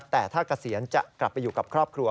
แต่ถ้าเกษียณจะกลับไปอยู่กับครอบครัว